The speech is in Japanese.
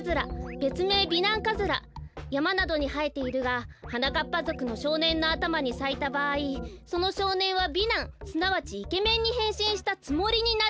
べつめい美男カズラやまなどにはえているがはなかっぱぞくのしょうねんのあたまにさいたばあいそのしょうねんは美男すなわちイケメンにへんしんしたつもりになる。